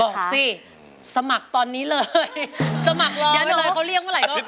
บอกสิสมัครตอนนี้เลย